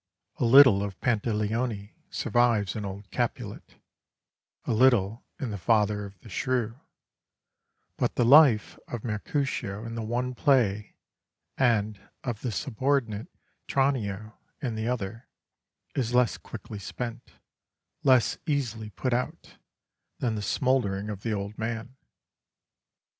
A little of Pantaleone survives in old Capulet, a little in the father of the Shrew, but the life of Mercutio in the one play, and of the subordinate Tranio in the other, is less quickly spent, less easily put out, than the smouldering of the old man.